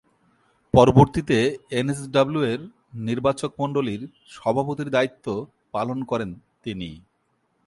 পরবর্তীতে এনএসডব্লিউ’র নির্বাচকমণ্ডলীর সভাপতির দায়িত্ব পালন করেন তিনি।